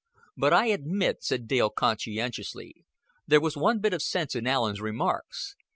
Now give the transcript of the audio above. "But I admit," said Dale, conscientiously, "there was one bit of sense in Allen's remarks.